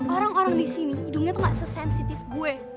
orang orang disini hidungnya tuh gak sesensitif gue